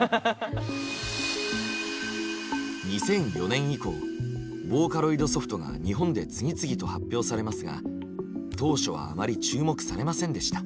２００４年以降ボーカロイドソフトが日本で次々と発表されますが当初はあまり注目されませんでした。